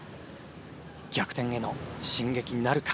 逆転への進撃になるか。